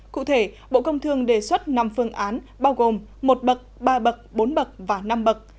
cụ thể bộ công thương đề xuất năm phương án bao gồm một bậc ba bậc bốn bậc và năm bậc